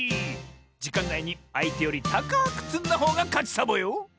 じかんないにあいてよりたかくつんだほうがかちサボよ！